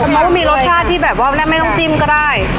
มันก็มีรสชาติที่แบบว่าไม่ต้องจิ้มก็ได้